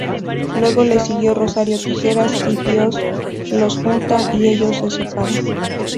Luego le siguió "Rosario Tijeras" y "Dios los junta y ellos se separan".